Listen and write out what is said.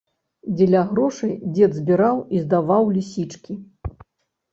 Дзеля грошай дзед збіраў і здаваў лісічкі.